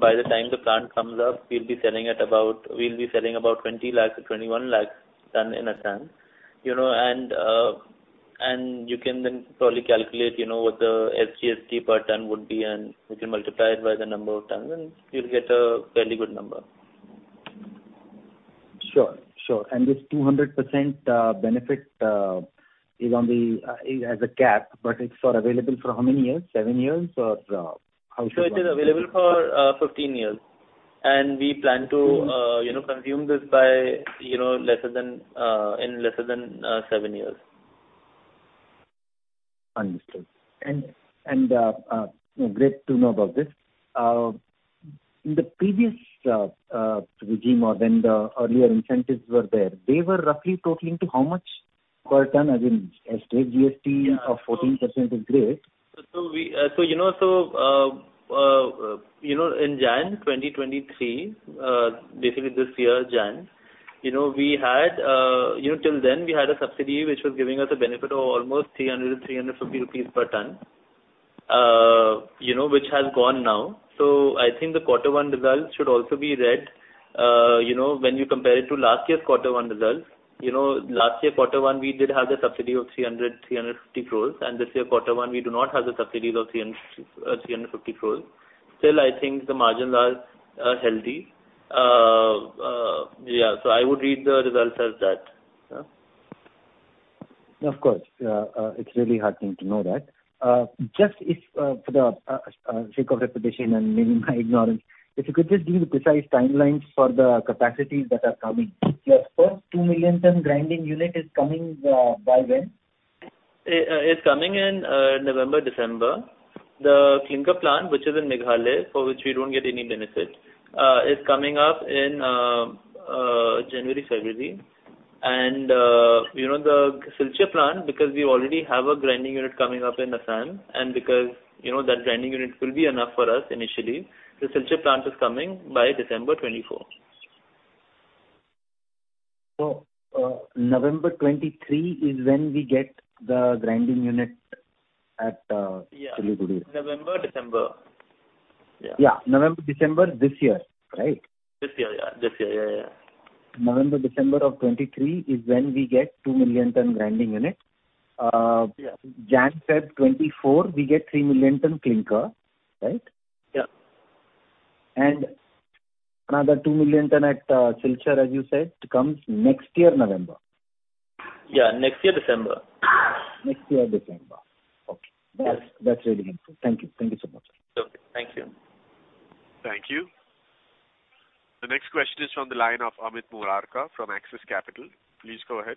by the time the plant comes up, we'll be selling about 2,000,000-2,100,000 tons in a ton. And you can then probably calculate what the SGST per ton would be. And you can multiply it by the number of tons, and you'll get a fairly good number. Sure. Sure. And this 200% benefit is on the SGST cap, but it's available for how many years? Seven years? Or how should we? It is available for 15 years. We plan to consume this in less than 7 years. Understood. Great to know about this. In the previous regime, or when the earlier incentives were there, they were roughly totaling to how much per ton? I mean, state GST of 14% is great. So in January 2023, basically this year, January, we had till then, we had a subsidy which was giving us a benefit of almost 300-350 rupees per ton, which has gone now. So I think the quarter one results should also be read when you compare it to last year's quarter one results. Last year, quarter one, we did have the subsidy of 300-350 crore. And this year, quarter one, we do not have the subsidies of 350 crore. Still, I think the margins are healthy. Yeah. So I would read the results as that. Of course. It's really heartening to know that. Just for the sake of reputation and maybe my ignorance, if you could just give me the precise timelines for the capacities that are coming. Your first 2 million-ton grinding unit is coming by when? It's coming in November, December. The Clinker plant, which is in Meghalaya, for which we don't get any benefit, is coming up in January, February. The Silchar plant, because we already have a grinding unit coming up in Assam and because that grinding unit will be enough for us initially, the Silchar plant is coming by December 2024. November 23 is when we get the grinding unit at Siliguri? Yeah. November, December. Yeah. Yeah. November, December this year, right? This year. Yeah. This year. Yeah, yeah, yeah. November, December of 2023 is when we get 2 million ton grinding unit. January/February 2024, we get 3 million ton clinker, right? Yeah. Another 2 million tons at Silchar, as you said, comes next year, November? Yeah. Next year, December. Next year, December. Okay. That's really helpful. Thank you. Thank you so much. Okay. Thank you. Thank you. The next question is from the line of Amit Murarka from Axis Capital. Please go ahead.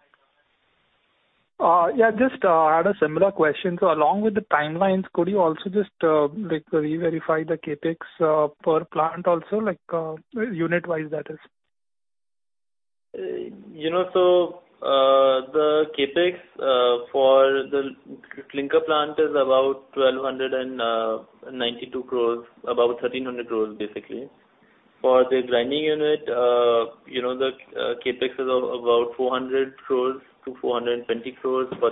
Yeah. Just had a similar question. So along with the timelines, could you also just re-verify the CapEx per plant also? Unit-wise, that is. So the CapEx for the Clinker plant is about 1,292 crores, about 1,300 crores, basically. For the grinding unit, the CapEx is about 400 crores-420 crores for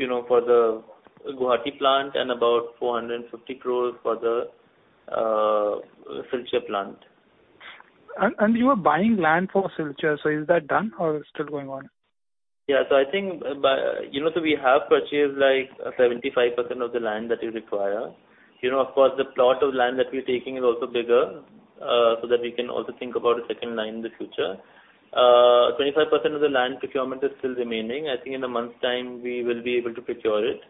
the Guwahati plant and about 450 crores for the Silchar plant. You are buying land for Silchar. So is that done, or is it still going on? Yeah. So I think so we have purchased 75% of the land that we require. Of course, the plot of land that we're taking is also bigger so that we can also think about a second line in the future. 25% of the land procurement is still remaining. I think in a month's time, we will be able to procure it.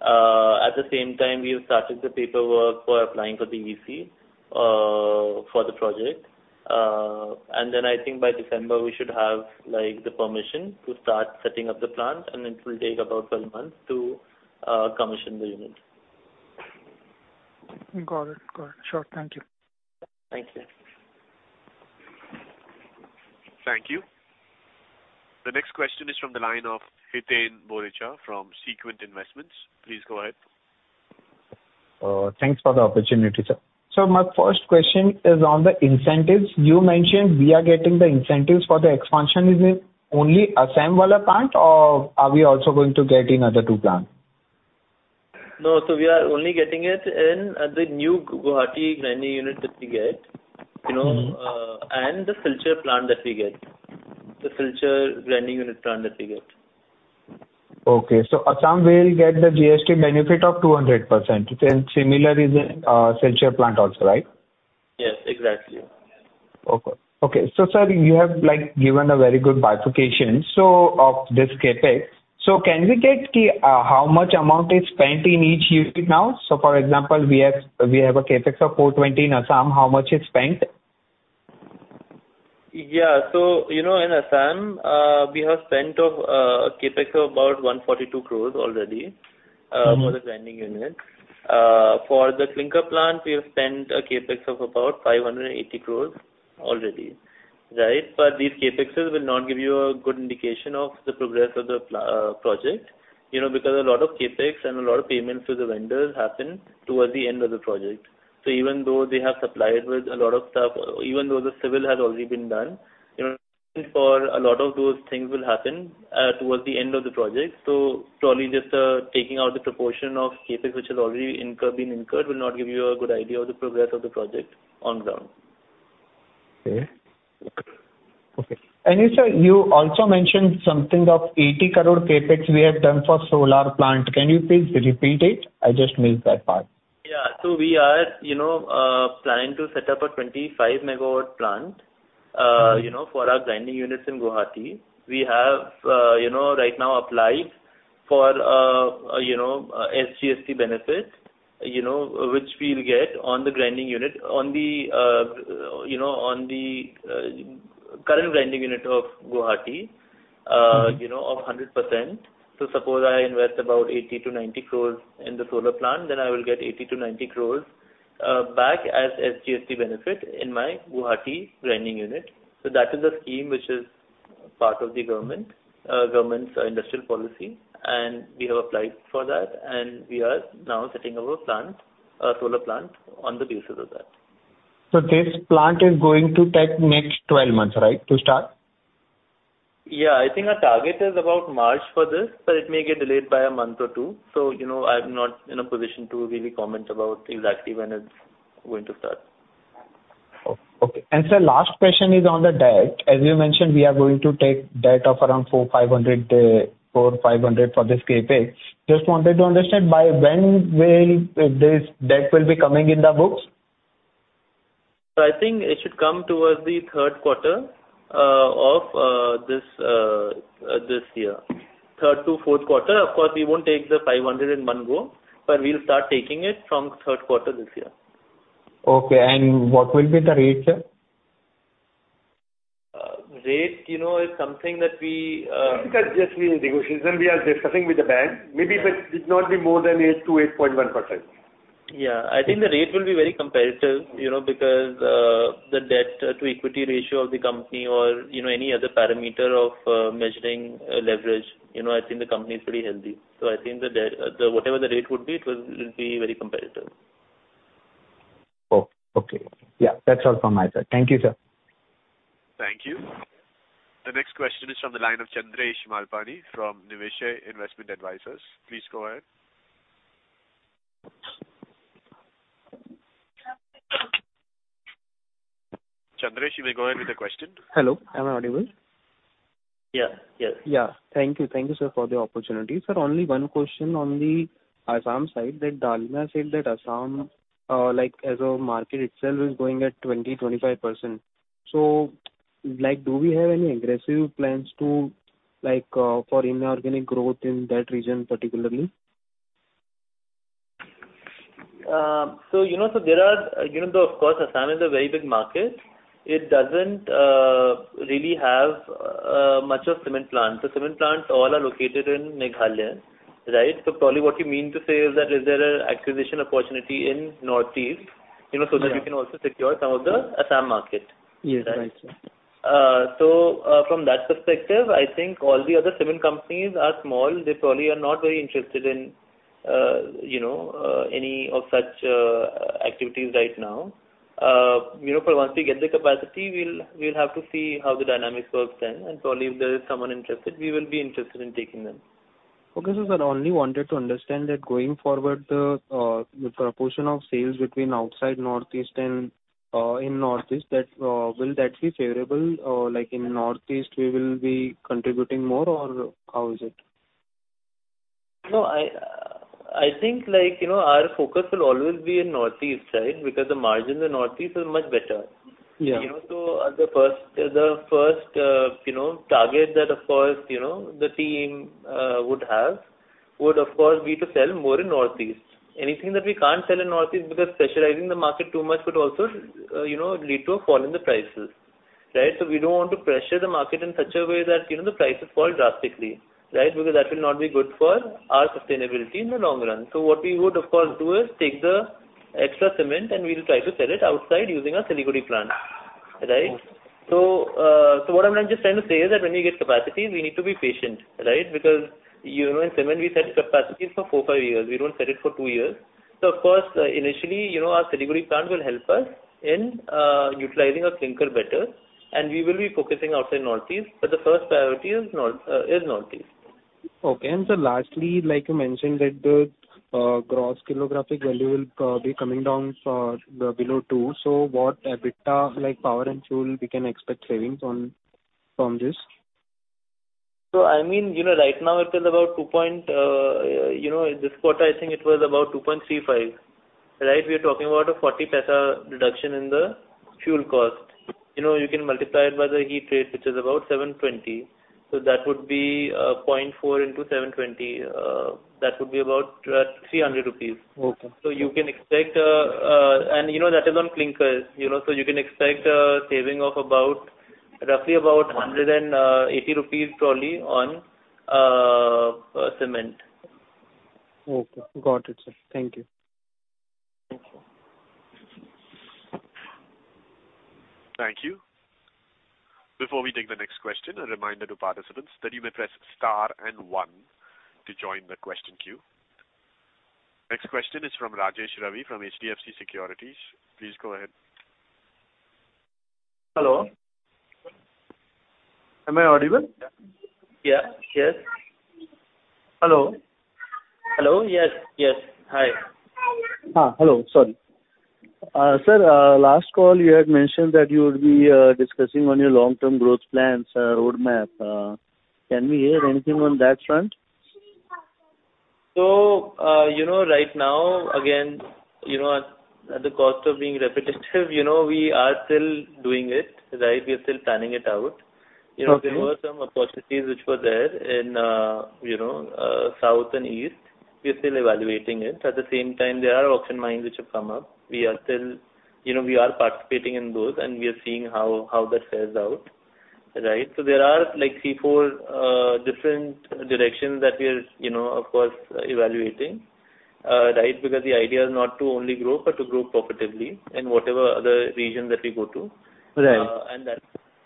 At the same time, we have started the paperwork for applying for the EC for the project. And then I think by December, we should have the permission to start setting up the plant. And it will take about 12 months to commission the unit. Got it. Got it. Sure. Thank you. Thank you. Thank you. The next question is from the line of Hiten Boricha from Sequent Investments. Please go ahead. Thanks for the opportunity, sir. So my first question is on the incentives. You mentioned we are getting the incentives for the expansion is in only Meghalaya plant, or are we also going to get in other two plants? No. So we are only getting it in the new Guwahati grinding unit that we get and the Silchar plant that we get, the Silchar grinding unit plant that we get. Okay. So Assam will get the GST benefit of 200%. It's similar in Silchar plant also, right? Yes. Exactly. Okay. Okay. So, sir, you have given a very good bifurcation of this CapEx. So can we get how much amount is spent in each unit now? So, for example, we have a CapEx of 420 in Assam. How much is spent? Yeah. So in Assam, we have spent a CapEx of about 142 crore already for the grinding unit. For the Clinker plant, we have spent a CapEx of about 580 crore already, right? But these CapExes will not give you a good indication of the progress of the project because a lot of CapEx and a lot of payments to the vendors happen towards the end of the project. So even though they have supplied with a lot of stuff, even though the civil has already been done, for a lot of those things will happen towards the end of the project. So probably just taking out the proportion of CapEx which has already been incurred will not give you a good idea of the progress of the project on ground. Okay. Okay. And you, sir, you also mentioned something of 80 crore CapEx we have done for solar plant. Can you please repeat it? I just missed that part. Yeah. We are planning to set up a 25-megawatt plant for our grinding units in Guwahati. We have right now applied for a SGST benefit, which we'll get on the grinding unit, on the current grinding unit of Guwahati of 100%. Suppose I invest about 80-90 crores in the solar plant, then I will get 80-90 crores back as SGST benefit in my Guwahati grinding unit. That is a scheme which is part of the government's industrial policy. We have applied for that. We are now setting up a solar plant on the basis of that. This plant is going to take next 12 months, right, to start? Yeah. I think our target is about March for this, but it may get delayed by a month or two. So I'm not in a position to really comment about exactly when it's going to start. Okay. Sir, last question is on the debt. As you mentioned, we are going to take debt of around 4,500 for this CapEx. Just wanted to understand, by when will this debt be coming in the books? So I think it should come towards the third quarter of this year, third to fourth quarter. Of course, we won't take the 500 in one go, but we'll start taking it from third quarter this year. Okay. What will be the rate, sir? Rate is something that we. I think that's just really negotiation. We are discussing with the bank. Maybe it did not be more than 8%-8.1%. Yeah. I think the rate will be very competitive because the debt-to-equity ratio of the company or any other parameter of measuring leverage, I think the company is pretty healthy. So I think whatever the rate would be, it will be very competitive. Oh. Okay. Yeah. That's all from my side. Thank you, sir. Thank you. The next question is from the line of Chandresh Malpani from Niveshaay Investment Advisors. Please go ahead. Chandresh, you may go ahead with the question. Hello. Am I audible? Yeah. Yes. Yeah. Thank you. Thank you, sir, for the opportunity. Sir, only one question on the Assam side. Dalmia said that Assam, as a market itself, is going at 20%-25%. So do we have any aggressive plans for inorganic growth in that region particularly? So there are though, of course, Assam is a very big market. It doesn't really have much of cement plants. The cement plants all are located in Meghalaya, right? So probably what you mean to say is that is there an acquisition opportunity in northeast so that you can also secure some of the Assam market, right? Yes. Right. Yeah. So from that perspective, I think all the other cement companies are small. They probably are not very interested in any of such activities right now. But once we get the capacity, we'll have to see how the dynamics work then. And probably if there is someone interested, we will be interested in taking them. Okay. So, sir, I only wanted to understand that going forward, the proportion of sales between outside Northeast and in Northeast, will that be favorable? In Northeast, we will be contributing more, or how is it? No. I think our focus will always be in Northeast, right, because the margin in the Northeast is much better. So the first target that, of course, the team would have would, of course, be to sell more in Northeast. Anything that we can't sell in Northeast because specializing the market too much could also lead to a fall in the prices, right? So we don't want to pressure the market in such a way that the prices fall drastically, right, because that will not be good for our sustainability in the long run. So what we would, of course, do is take the extra cement, and we'll try to sell it outside using our Siliguri plant, right? So what I'm just trying to say is that when you get capacity, we need to be patient, right, because in cement, we set capacities for four, five years. We don't set it for two years. So, of course, initially, our Siliguri plant will help us in utilizing our clinker better. And we will be focusing outside Northeast. But the first priority is Northeast. Okay. Sir, lastly, you mentioned that the gross calorific value will be coming down below 2. So what EBITDA, power and fuel, we can expect savings from this? So I mean, right now, it is about 2 point this quarter, I think it was about 2.35, right? We are talking about a 0.40 reduction in the fuel cost. You can multiply it by the heat rate, which is about 720. So that would be 0.4 into 720. That would be about 300 rupees. So you can expect and that is on Clinker. So you can expect a saving of roughly about 180 rupees probably on cement. Okay. Got it, sir. Thank you. Thank you. Thank you. Before we take the next question, a reminder to participants that you may press star and 1 to join the question queue. Next question is from Rajesh Ravi from HDFC Securities. Please go ahead. Hello? Am I audible? Yeah. Yes. Hello? Hello? Yes. Yes. Hi. Hi. Hello. Sorry. Sir, last call, you had mentioned that you would be discussing on your long-term growth plans, roadmap. Can we hear anything on that front? So right now, again, at the cost of being repetitive, we are still doing it, right? We are still planning it out. There were some opportunities which were there in south and east. We are still evaluating it. At the same time, there are auction mines which have come up. We are still participating in those, and we are seeing how that fares out, right? So there are three, four different directions that we are, of course, evaluating, right, because the idea is not to only grow but to grow profitably in whatever other region that we go to. And that's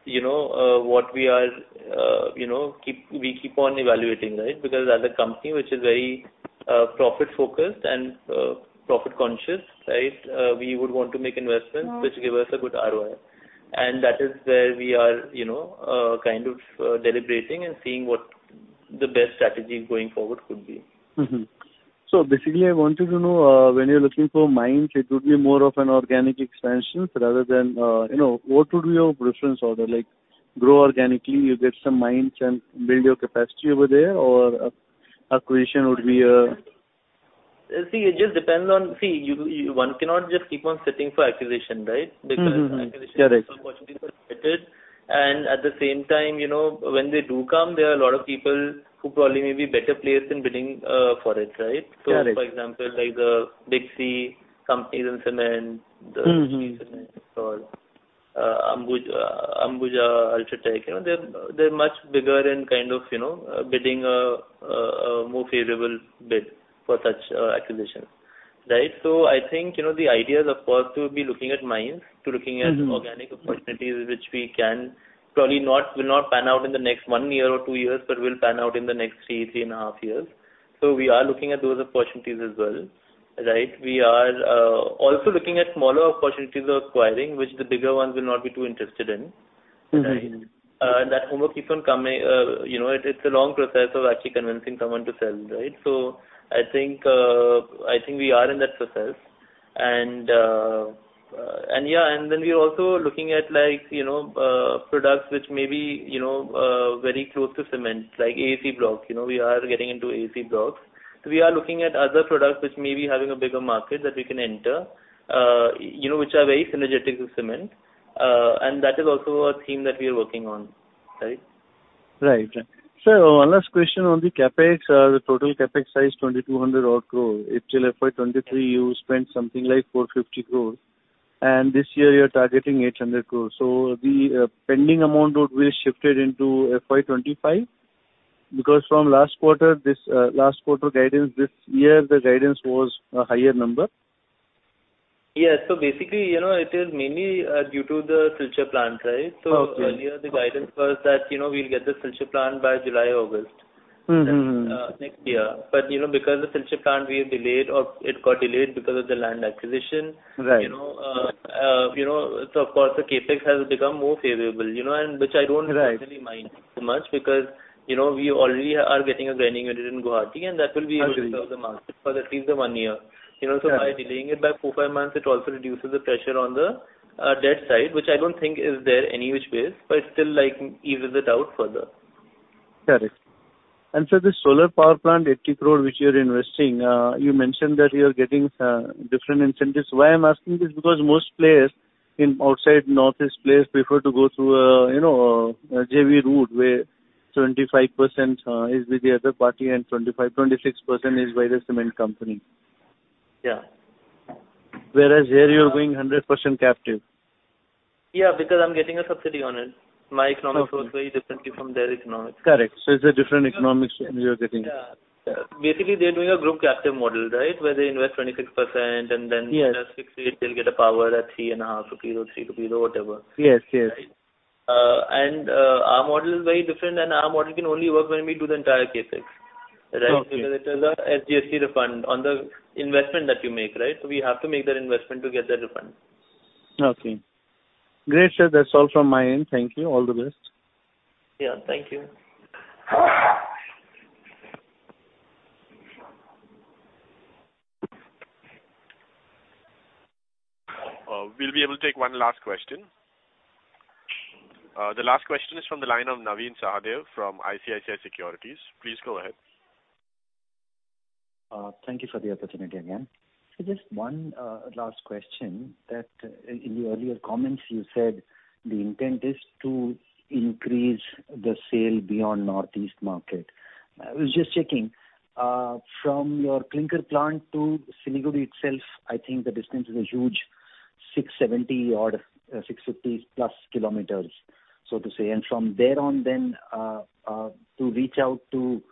what we keep on evaluating, right, because as a company which is very profit-focused and profit-conscious, right, we would want to make investments which give us a good ROI. That is where we are kind of deliberating and seeing what the best strategy going forward could be. So basically, I wanted to know, when you're looking for mines, it would be more of an organic expansion rather than what would be your preference order? Grow organically, you get some mines and build your capacity over there, or acquisition would be a? See, it just depends on, see, one cannot just keep on sitting for acquisition, right, because acquisition opportunities are limited. And at the same time, when they do come, there are a lot of people who probably may be better placed in bidding for it, right? So, for example, the Big C companies in cement, the ACC Cement, Ambuja, UltraTech, they're much bigger in kind of bidding a more favorable bid for such acquisitions, right? So I think the idea is, of course, to be looking at mines, to looking at organic opportunities which we can probably not will not pan out in the next one year or two years but will pan out in the next three, three and a half years. So we are looking at those opportunities as well, right? We are also looking at smaller opportunities of acquiring which the bigger ones will not be too interested in, right? And that homework keeps on coming. It's a long process of actually convincing someone to sell, right? So I think we are in that process. And yeah. And then we are also looking at products which may be very close to cement, like AAC blocks. We are getting into AAC blocks. So we are looking at other products which may be having a bigger market that we can enter which are very synergetic with cement. And that is also a theme that we are working on, right? Right. Sir, our last question on the CapEx, the total CapEx size is 2,200-odd crore. Until FY23, you spent something like 450 crore. And this year, you're targeting 800 crore. So the pending amount would be shifted into FY25 because from last quarter guidance, this year, the guidance was a higher number? Yes. So basically, it is mainly due to the Silchar plant, right? So earlier, the guidance was that we'll get the Silchar plant by July, August next year. But because the Silchar plant, we have delayed or it got delayed because of the land acquisition. So, of course, the CapEx has become more favorable, which I don't personally mind so much because we already are getting a grinding unit in Guwahati, and that will be able to serve the market for at least the one year. So by delaying it by 4-5 months, it also reduces the pressure on the debt side, which I don't think is there in any which ways, but it still eases it out further. Got it. And, sir, this solar power plant, 80 crore, which you're investing, you mentioned that you're getting different incentives. Why I'm asking this is because most players outside Northeast players prefer to go through a JV route where 25% is with the other party and 25%-26% is by the cement company. Whereas here, you're going 100% captive. Yeah. Because I'm getting a subsidy on it. My economics work very differently from their economics. Correct. So it's a different economics you're getting. Yeah. Basically, they're doing a group captive model, right, where they invest 26%, and then in the next fixed rate, they'll get a power at 3.5 rupees or 3 rupees or whatever, right? And our model is very different, and our model can only work when we do the entire CapEx, right, because it is a SGST refund on the investment that you make, right? So we have to make that investment to get that refund. Okay. Great, sir. That's all from my end. Thank you. All the best. Yeah. Thank you. We'll be able to take one last question. The last question is from the line of Navin Sahadeo from ICICI Securities. Please go ahead. Thank you for the opportunity again. So just one last question. In the earlier comments, you said the intent is to increase the sale beyond Northeast market. I was just checking. From your clinker plant to Siliguri itself, I think the distance is a huge 670+ km, so to say. And from there on then, to reach out to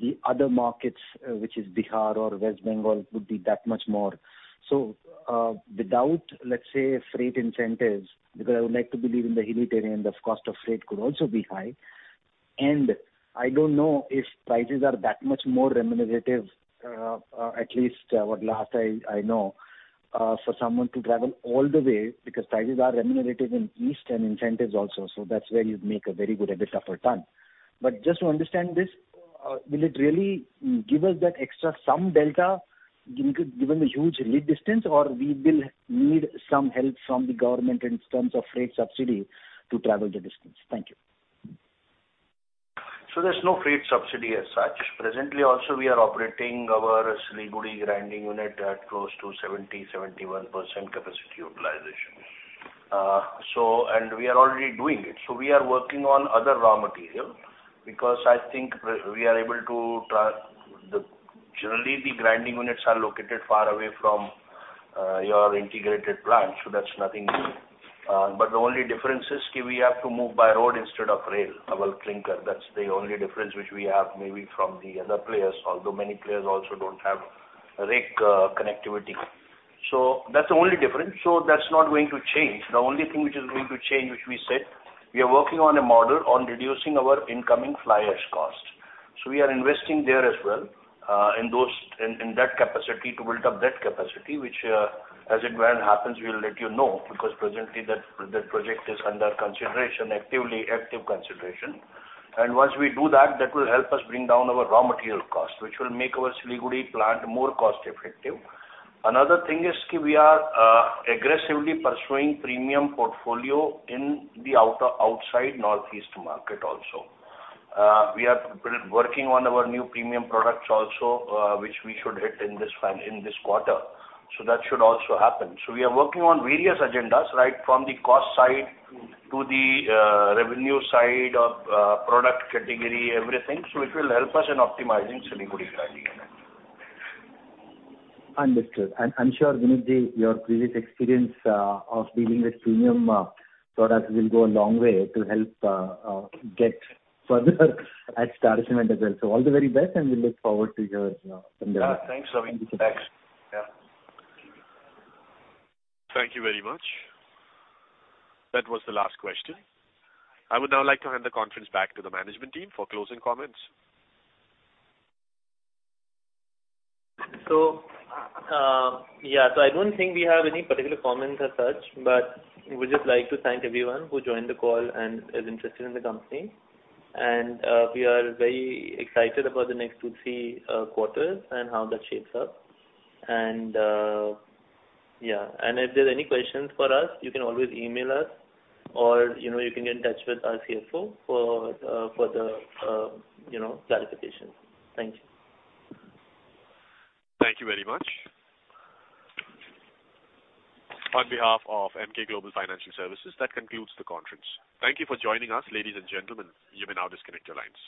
the other markets, which is Bihar or West Bengal, would be that much more. So without, let's say, freight incentives because I would like to believe in the reality, and the cost of freight could also be high. And I don't know if prices are that much more remunerative, at least what last I know, for someone to travel all the way because prices are remunerative in east and incentives also. So that's where you'd make a very good EBITDA per ton. But just to understand this, will it really give us that extra some delta given the huge lead distance, or we will need some help from the government in terms of freight subsidy to travel the distance? Thank you. So there's no freight subsidy as such. Presently, also, we are operating our Siliguri grinding unit at close to 70%-71% capacity utilization. And we are already doing it. So we are working on other raw material because I think we are able to generally, the grinding units are located far away from your integrated plant. So that's nothing new. But the only difference is we have to move by road instead of rail of clinker. That's the only difference which we have maybe from the other players, although many players also don't have rake connectivity. So that's the only difference. So that's not going to change. The only thing which is going to change, which we said, we are working on a model on reducing our incoming fly ash cost. So we are investing there as well in that capacity to build up that capacity, which, as it happens, we'll let you know because presently, that project is under consideration, actively active consideration. And once we do that, that will help us bring down our raw material cost, which will make our Siliguri plant more cost-effective. Another thing is we are aggressively pursuing premium portfolio in the outside Northeast market also. We are working on our new premium products also, which we should hit in this quarter. So that should also happen. So we are working on various agendas, right, from the cost side to the revenue side of product category, everything, which will help us in optimizing Siliguri grinding unit. Understood. And I'm sure, Vinit, your previous experience of dealing with premium products will go a long way to help get further at Star Cement as well. So all the very best, and we look forward to your. Yeah. Thanks, Ravi. Thanks. Yeah. Thank you very much. That was the last question. I would now like to hand the conference back to the management team for closing comments. So yeah. So I don't think we have any particular comments as such, but we just like to thank everyone who joined the call and is interested in the company. And we are very excited about the next 2-3 quarters and how that shapes up. And yeah. And if there's any questions for us, you can always email us, or you can get in touch with our CFO for further clarifications. Thank you. Thank you very much. On behalf of Emkay Global Financial Services, that concludes the conference. Thank you for joining us, ladies and gentlemen. You may now disconnect your lines.